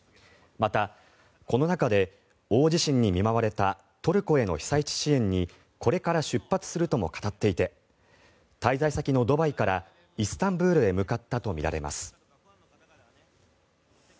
また、この中で大地震に見舞われたトルコへの被災地支援にこれから出発するとも語っていて滞在先のドバイからイスタンブールへ向かったとみられます。